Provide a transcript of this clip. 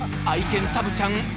［愛犬サブちゃん。